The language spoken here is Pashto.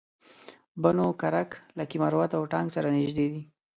بنو کرک لکي مروت او ټانک سره نژدې دي